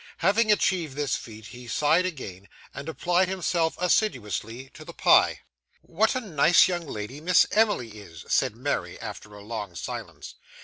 Having achieved this feat, he sighed again, and applied himself assiduously to the pie. 'What a nice young lady Miss Emily is!' said Mary, after a long silence.